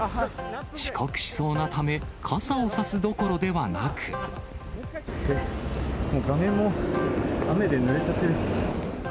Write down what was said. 遅刻しそうなため、傘を差すもう画面も雨でぬれちゃってる。